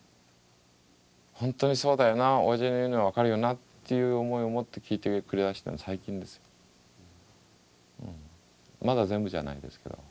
「本当にそうだよなおやじの言うのは分かるよな」っていう思いを持って聞いてくれだしたのは最近ですよ。まだ全部じゃないですけど。